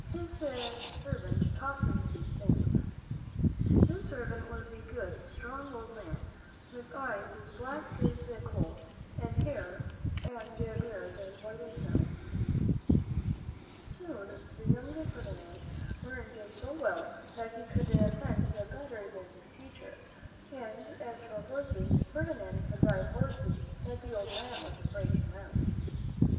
His servant taught him these things. This servant was a good, strong old man, with eyes as black as coal and hair and 1l (0^ '■'.(^. "r 77 THE A^ ^ 'rrmt ir ^ f^^' A MEN WHO FOUND AMERI C A beard as white as snow. Soon the young Fer dinand learned so well that he could fence better than his teacher, and as for horses, Ferdinand could ride horses that the old man was afraid to mount.